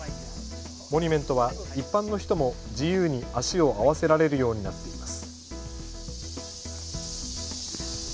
モニュメントは一般の人も自由に足を合わせられるようになっています。